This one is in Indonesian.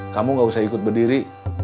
kamu gak usah ikut berdiri